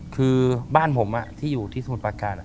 คือบ้านผมที่อยู่ที่สมุทรประการ